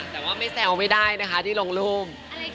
แต่ว่าไม่แซวไม่ได้นะคะที่ลงรูป